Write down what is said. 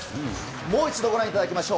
もう一度ご覧いただきましょう。